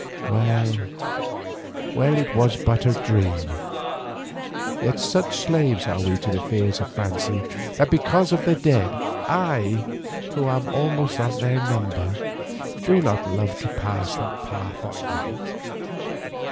Well, well, it was but a dream, yet such slaves are we to the fears of fancy, that because of the dead, I, who am almost of their number, do not love to pass that path at night.